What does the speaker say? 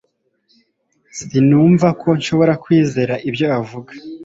sinumva ko nshobora kwizera ibyo avuga